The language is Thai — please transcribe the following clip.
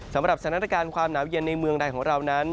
สำหรับสถานการณ์ความหนาวเย็นในเมืองใดของเรานั้น